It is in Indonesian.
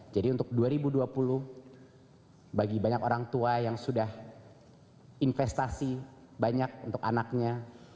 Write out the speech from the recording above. untuk dua ribu dua puluh bagi banyak orang tua yang sudah investasi banyak untuk anaknya